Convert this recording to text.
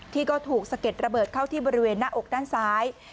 ที่ก็ถูกสะเก็ดระเบิดเข้าที่บริเวณหน้าอกด้านซ้าย